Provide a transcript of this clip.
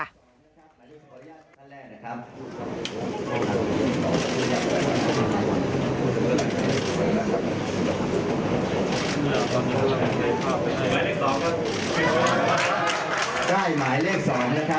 หมายเลข๑คือคนนี้ละครับที่จะสร้างทางมานาน